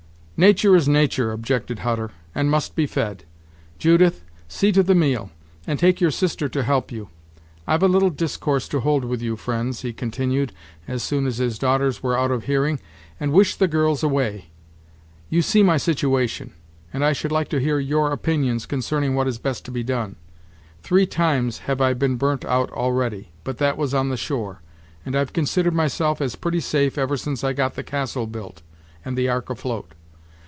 "Natur' is natur'," objected Hutter, "and must be fed. Judith, see to the meal, and take your sister to help you. I've a little discourse to hold with you, friends," he continued, as soon as his daughters were out of hearing, "and wish the girls away. You see my situation, and I should like to hear your opinions concerning what is best to be done. Three times have I been burnt out already, but that was on the shore; and I've considered myself as pretty safe ever since I got the castle built, and the ark afloat.